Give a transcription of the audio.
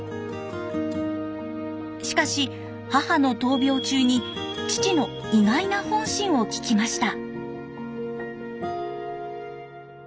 しかし母の闘病中に父の意外な本心を聞きました。